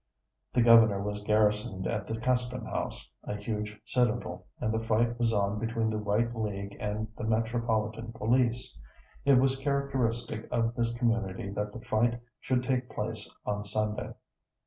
The Governor was garrisoned at the Custom house, a huge citadel, and the fight was on between the White League and the Metropolitan Police. It was characteristic of this community that the fight should take place on Sunday.